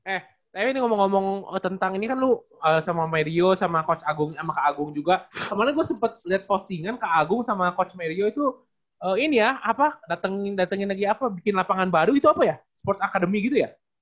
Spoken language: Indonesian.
eh saya mau ngomong ngomong tentang ini kan lu sama mary yu sama coach agung sama kak agung juga kemarin gue sempet liat postingan kak agung sama coach mary yu itu ini ya apa datengin lagi apa bikin lapangan baru itu apa ya sports academy gitu ya